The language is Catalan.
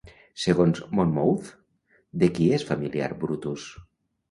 Segons Monmouth, de qui és familiar Brutus?